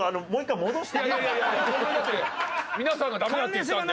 いやいや僕だって皆さんがダメだって言ったんで。